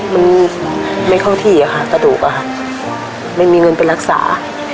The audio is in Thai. มันไม่เข้าที่อะค่ะกระดูกอะค่ะไม่มีเงินไปรักษา